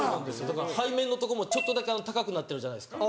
背面のとこもちょっとだけ高くなってるじゃないですか。